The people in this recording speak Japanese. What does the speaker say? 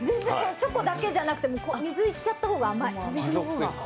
チョコだけじゃなくて水いっちゃった方が甘い。